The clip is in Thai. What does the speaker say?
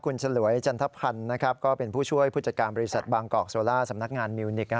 คุณฉลวยจันทพันธ์ก็เป็นผู้ช่วยผู้จัดการบริษัทบางกอกโซล่าสำนักงานมิวนิก